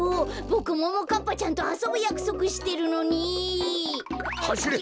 ボクももかっぱちゃんとあそぶやくそくしてるのに。はしれ！